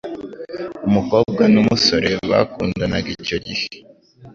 umukobwa n'umusore bakundanaga icyo gihe.